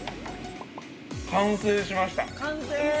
◆完成しました。